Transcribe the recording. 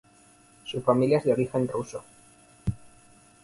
Su familia es de origen ruso.